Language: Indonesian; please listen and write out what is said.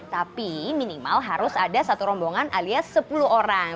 tapi minimal harus ada satu rombongan alias sepuluh orang